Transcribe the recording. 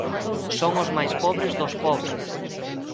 Son os máis pobres dos pobres.